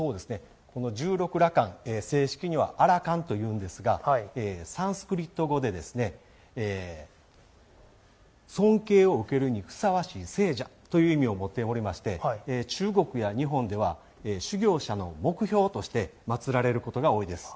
十六羅漢正式には阿羅漢と言うんですがサンスクリット語で尊敬を受けるにふさわしい聖者という意味を持っておりまして中国や日本では修行者の目標として祭られることが多いです。